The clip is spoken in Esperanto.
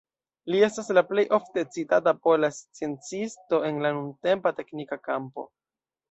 Li estas la plej ofte citata pola sciencisto en la nuntempa teknika kampo.